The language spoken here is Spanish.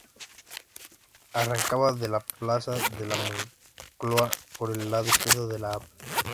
Arrancaba de la plaza de la Moncloa por el lado izquierdo de la Av.